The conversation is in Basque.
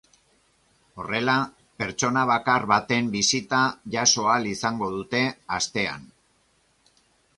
Horrela, pertsona bakar baten bisita jaso ahal izango dute astean.